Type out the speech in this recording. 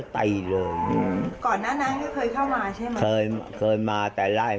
ติ๊กกี่ที